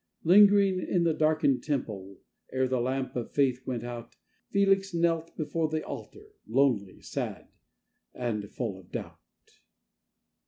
Lingering in the darkened temple, ere the lamp of faith went out, Felix knelt before the altar, lonely, sad, and full of doubt.